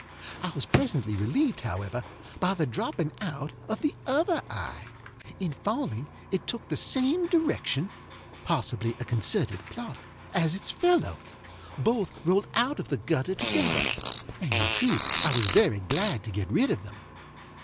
I was presently relieved, however, by the dropping out of the other eye. In falling it took the same direction (possibly a concerted plot) as its fellow. Both rolled out of the gutter together, and in truth I was very glad to get rid of them.